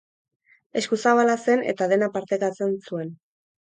Eskuzabala zen eta dena partekatzen zuen.